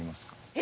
え！